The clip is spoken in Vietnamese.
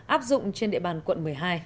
áp dụng trên địa bàn quận một mươi hai